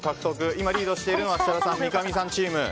今、リードしているのは設楽さん、三上さんチーム。